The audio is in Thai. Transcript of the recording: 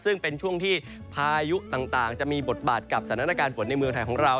ซึ่งเป็นช่วงที่พายุต่างจะมีบทบาทกับสถานการณ์ฝนในเมืองไทยของเรา